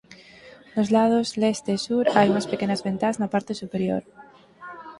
Nos lados leste e sur hai unhas pequenas ventás na parte superior.